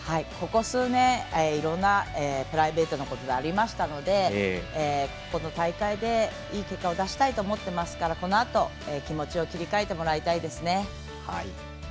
ここ数年いろんなプライベートなことでありましたので、この大会でいい結果を出したいと思っていますからこのあと気持ちを切り替えてもらいたいですね。